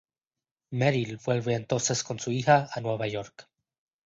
Merril vuelve entonces con su hija a Nueva York.